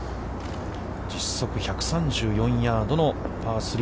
実測１３４ヤードのパー３。